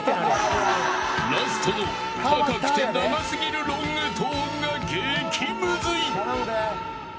ラストの高くて長すぎるロングトーンが激むずい。